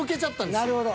なるほど。